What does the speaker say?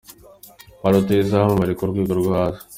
Ba rutahizamu bari ku rwego rwo hasi.